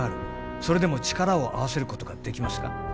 それでも力を合わせることができますか？